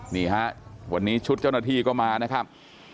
นี่ฮะวันนี้ชุดเจ้าหน้าที่ก็มานะครับ